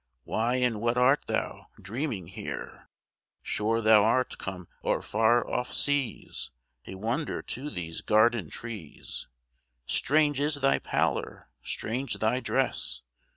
Why and what art thou dreaming here? Sure thou art come o'er far off seas, A wonder to these garden trees! Strange is thy pallor! strange thy dress!